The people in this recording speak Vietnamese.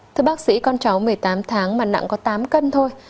thưa bác sĩ con cháu một mươi tám tháng mà nặng có tám cân thôi